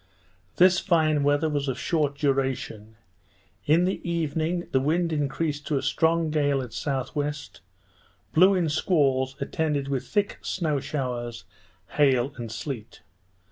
This fine weather was of short duration; in the evening, the wind increased to a strong gale at S. W., blew in squalls, attended with thick snow showers, hail, and sleet.